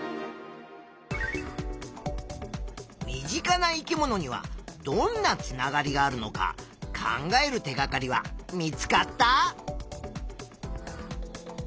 身近な生き物にはどんなつながりがあるのか考える手がかりは見つかった？